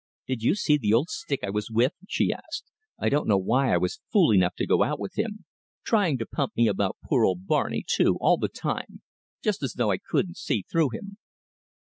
"Did you see the old stick I was with?" she asked. "I don't know why I was fool enough to go out with him. Trying to pump me about poor old Barney, too, all the time. Just as though I couldn't see through him."